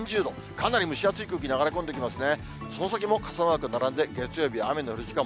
かなり蒸し暑い空気流れ込んできますね。